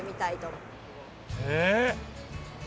えっ。